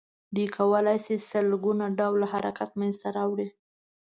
دوی کولای شي سل ګونه ډوله حرکت منځ ته راوړي.